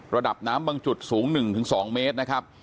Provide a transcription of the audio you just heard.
ระดับน้ำบางจุดสูง๑๒เมตรนะครับ